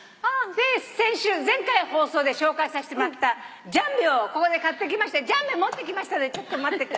先週前回放送で紹介さしてもらったジャンベをここで買ってきましてジャンベ持ってきましたんでちょっと待ってて。